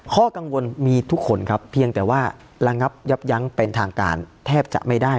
ข้อกังวลมีทุกคนครับเพียงแต่ว่าระงับยับยั้งเป็นทางการแทบจะไม่ได้